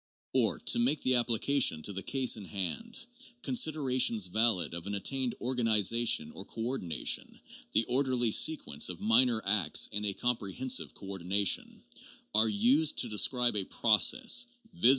Or, to make the application to the case in hand, con siderations valid of an attained organization or coordination, the orderly sequence of minor acts in a comprehensive coordination, are used to describe a process, viz.